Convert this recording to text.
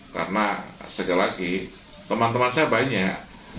karena segalagi teman teman saya banyak